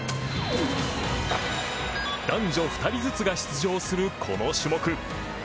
男女２人ずつが出場するこの種目。